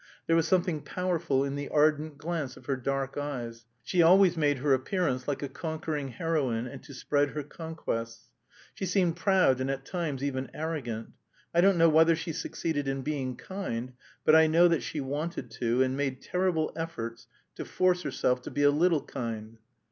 There was something powerful in the ardent glance of her dark eyes. She always made her appearance "like a conquering heroine, and to spread her conquests." She seemed proud and at times even arrogant. I don't know whether she succeeded in being kind, but I know that she wanted to, and made terrible efforts to force herself to be a little kind.